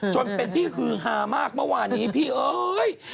จนเป็นที่ฮือฮามากเมื่อวานี้พี่เอ้ย